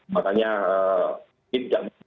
bagi fpi dan rizik sihab